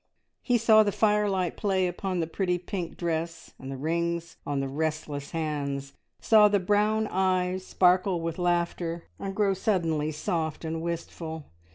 He saw the firelight play upon the pretty pink dress and the rings on the restless hands, saw the brown eyes sparkle with laughter, and grow suddenly soft and wistful.